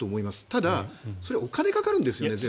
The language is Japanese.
ただ、それはお金がかかるんです。